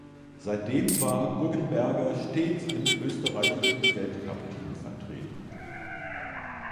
Seitdem war Guggenberger stets im österreichischen Weltcup-Team vertreten.